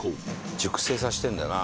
熟成させてるんだな。